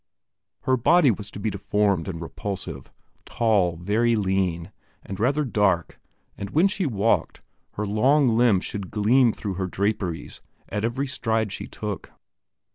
Her body was to be deformed and repulsive, tall, very lean, and rather dark; and when she walked, her long limbs should gleam through her draperies at every stride she took.